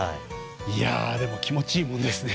でも気持ちいいもんですね。